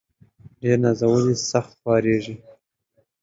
ډير نازولي ، سخت خوارېږي.